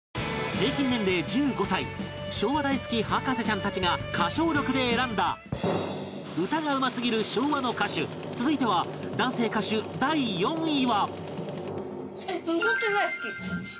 平均年齢１５歳昭和大好き博士ちゃんたちが歌唱力で選んだ歌がうますぎる昭和の歌手続いては男性歌手第４位は